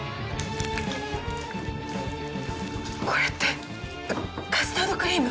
これってカスタードクリーム？